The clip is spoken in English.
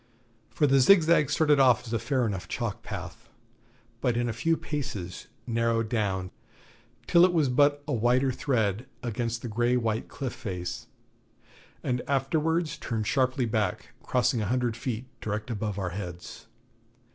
For the Zigzag started off as a fair enough chalk path, but in a few paces narrowed down till it was but a whiter thread against the grey white cliff face, and afterwards turned sharply back, crossing a hundred feet direct above our heads.